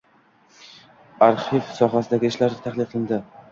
Arxiv sohasidagi ishlar tahlil qilindi